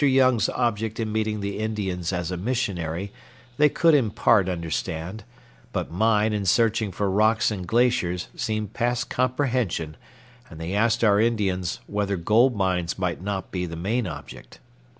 Young's object in meeting the Indians as a missionary they could in part understand, but mine in searching for rocks and glaciers seemed past comprehension, and they asked our Indians whether gold mines might not be the main object.